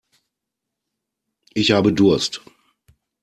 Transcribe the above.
Ich habe Durst.